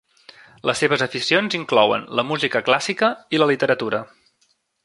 Les seves aficions inclouen la música clàssica i la literatura.